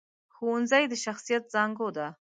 ښوونځی د شخصیت زانګو ده